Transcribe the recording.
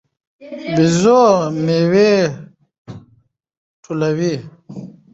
بيزو میوې ټولوي.